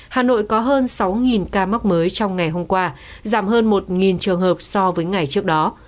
hà nội có hơn sáu ca mắc mới trong ngày hôm qua giảm hơn một trường hợp so với ngày trước đó